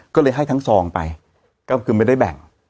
ก็เลยให้ทั้งซองไปก็คือไม่ได้แบ่ง